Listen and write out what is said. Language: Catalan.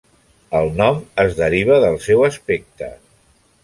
El nom es deriva del seu aspecte.